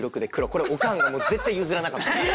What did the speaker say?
これオカンが絶対譲らなかったんですよ。